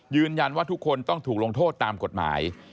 ยืนยันว่าทุกคนต้องถูกลงโทษตามกฎหมาย